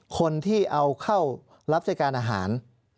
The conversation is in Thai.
คนที่เอาเข้ารับใช้การอาหาร